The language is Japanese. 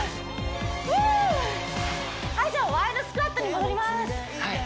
フーはいじゃあワイドスクワットに戻ります